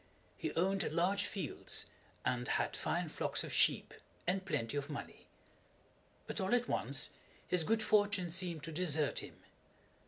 He owned large fields, and had fine flocks of sheep, and plenty of money. But all at once his good fortune seemed to desert him.